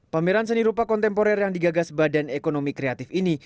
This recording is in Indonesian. pameran seni rupa kontemporer yang digagas badan ekonomi kreatif ini